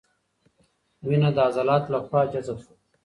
وینه د عضلاتو له خوا جذب شوه.